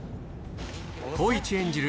光一演じる